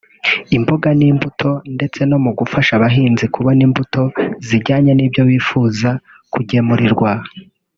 imboga n’imbuto ndetse no mu gufasha abahinzi kubona imbuto zijyanye n’ibyo bifuza kugemurirwa